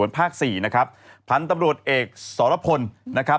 ผันตำรวจเอกศรพรนะครับ